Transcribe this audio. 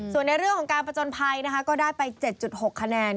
ส่วนในเรื่องของการผจญภัยนะคะก็ได้ไป๗๖คะแนน